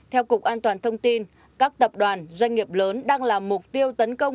theo cục an toàn thông tin các tập đoàn doanh nghiệp lớn đang làm mục tiêu tấn công